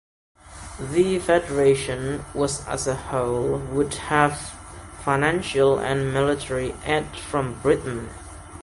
The federation as a whole would have financial and military aid from Britain.